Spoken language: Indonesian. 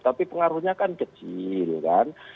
tapi pengaruhnya kan kecil kan